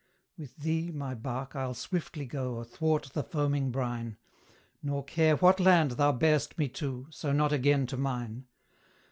With thee, my bark, I'll swiftly go Athwart the foaming brine; Nor care what land thou bear'st me to, So not again to mine.